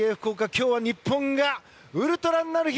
今日は日本がウルトラになる日！